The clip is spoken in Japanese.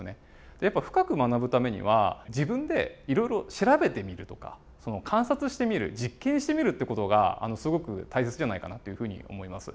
やっぱ深く学ぶためには自分でいろいろ調べてみるとか観察してみる実験してみるって事がすごく大切じゃないかなっていうふうに思います。